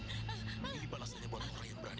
ampun ampun ampun